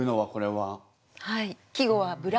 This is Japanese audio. はい。